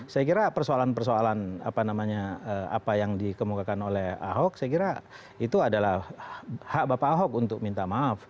saya kira persoalan persoalan apa namanya apa yang dikemukakan oleh ahok saya kira itu adalah hak bapak ahok untuk minta maaf